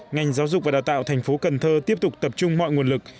ngành giáo dục và đào tạo thành phố cần thơ tiếp tục tập trung mọi nguồn lực